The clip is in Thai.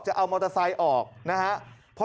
จะเอามอเตอร์ไซค์ออกนะครับ